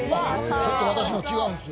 ちょっと私の、違うんですよ